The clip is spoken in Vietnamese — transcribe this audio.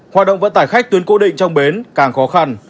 hoạt động vận tải khách tuyến cố định trong bến càng khó khăn